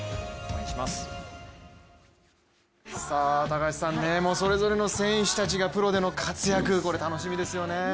高橋さん、それぞれの選手たちがプロでの活躍、これ楽しみですよね。